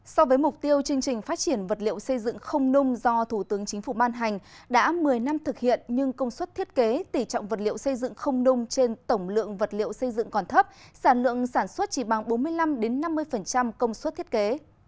so với mục tiêu chương trình phát triển vật liệu xây dựng không nung do thủ tướng chính phủ ban hành đã một mươi năm thực hiện nhưng công suất thiết kế tỉ trọng vật liệu xây dựng không nung trên tổng lượng vật liệu xây dựng còn thấp sản lượng sản xuất chỉ bằng bốn mươi năm năm mươi công suất thiết kế